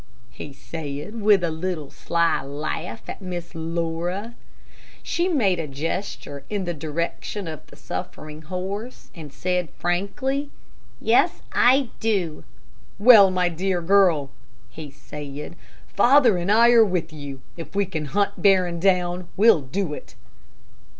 he said, with a little, sly laugh at Miss Laura. She made a gesture in the direction of the suffering horse, and said, frankly, "Yes, I do." "Well, my dear girl," he said, "father and I are with you. If we can hunt Barron down, we'll do it."